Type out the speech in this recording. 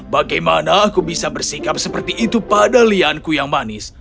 bagaimana aku bisa bersikap seperti itu pada lianku yang manis